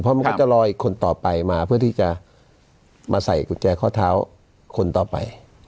เพราะมันก็จะรออีกคนต่อไปมาเพื่อที่จะมาใส่กุญแจข้อเท้าคนต่อไป